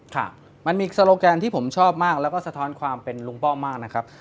ค่ะมันมีโซโลแกนที่ผมชอบมากแล้วก็สะท้อนความเป็นลุงป้อมมากนะครับ